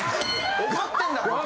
怒ってんだ！